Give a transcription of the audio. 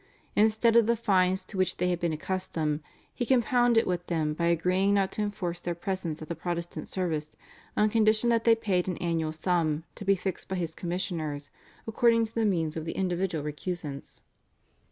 Instead of the fines to which they had been accustomed, he compounded with them by agreeing not to enforce their presence at the Protestant service on condition that they paid an annual sum to be fixed by his commissioners according to the means of the individual recusants.